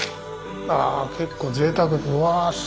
あ結構ぜいたくうわ